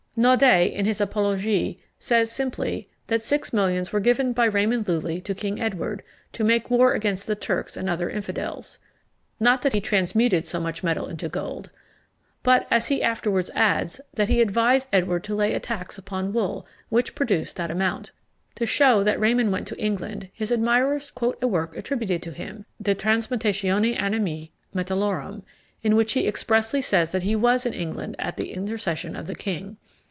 Naudé, in his Apologie, says, simply, "that six millions were given by Raymond Lulli to King Edward, to make war against the Turks and other infidels:" not that he transmuted so much metal into gold; but, as he afterwards adds, that he advised Edward to lay a tax upon wool, which produced that amount. To shew that Raymond went to England, his admirers quote a work attributed to him, De Transmutatione Animæ Metallorum, in which he expressly says that he was in England at the intercession of the king.